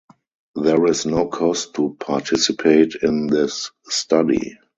There is no cost to participate in this study.